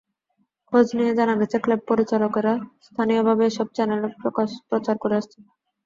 খোঁজ নিয়ে জানা গেছে, কেব্ল পরিচালকেরা স্থানীয়ভাবে এসব চ্যানেল প্রচার করে আসছেন।